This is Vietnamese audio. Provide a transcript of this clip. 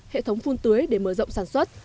hệ thống phun tưới để mở rộng sản xuất